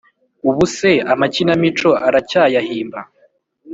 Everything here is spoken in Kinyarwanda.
ubu se amakinamico uracyayahimba?